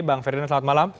bang ferdinand selamat malam